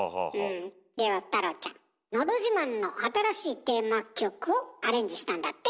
では太郎ちゃん「のどじまん」の新しいテーマ曲をアレンジしたんだって？